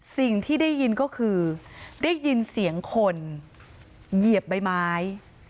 สิ่งที่ได้ยินก็คือได้ยินเสียงคนเหยียบใบไม้